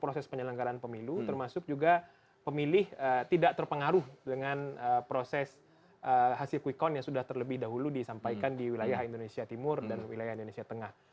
proses penyelenggaraan pemilu termasuk juga pemilih tidak terpengaruh dengan proses hasil quick count yang sudah terlebih dahulu disampaikan di wilayah indonesia timur dan wilayah indonesia tengah